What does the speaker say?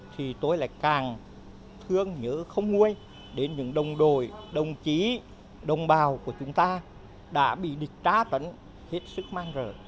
thì tôi lại càng thương nhớ không nguôi đến những đồng đội đồng chí đồng bào của chúng ta đã bị địch trá tấn hết sức mang rời